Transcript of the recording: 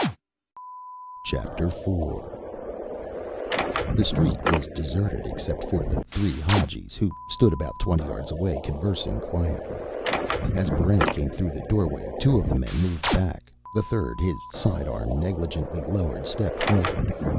Chapter Four The street was deserted except for the three Hadjis, who stood about twenty yards away, conversing quietly. As Barrent came through the doorway, two of the men moved back; the third, his sidearm negligently lowered, stepped forward.